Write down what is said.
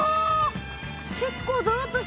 結構どろっとしてるよ。